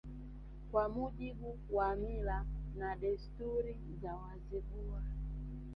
Kwa mujibu wa mila na desturi za Wazigua